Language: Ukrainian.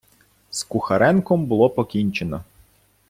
З Кухаренком було покінчено.